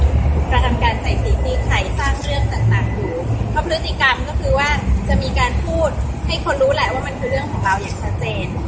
กระทำการใส่สีตีไข่สร้างเรื่องต่างต่างอยู่เพราะพฤติกรรมก็คือว่าจะมีการพูดให้คนรู้แหละว่ามันคือเรื่องของเราอย่างชัดเจน